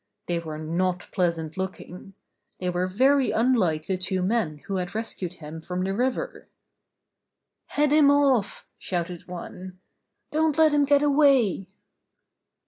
They were not pleasant looking. They were very unlike the two men who had rescued him from the river. ^'Head him off!" shouted one. "Don't let him get away!"